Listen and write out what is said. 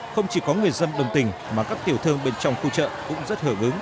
không chỉ có người dân đồng tình mà các tiểu thương bên trong khu chợ cũng rất hưởng ứng